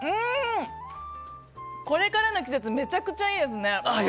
これからの季節めちゃめちゃいいですね。